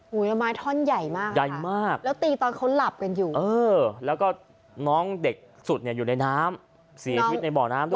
หูยะไม้ท่อนใหญ่มากค่ะแล้วตีตอนเขาหลับกันอยู่แล้วก็น้องเด็กสุดอยู่ในน้ำ๔อาทิตย์ในบ่อน้ำด้วย